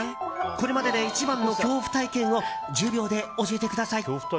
これまでで一番の恐怖体験を１０秒で教えてください。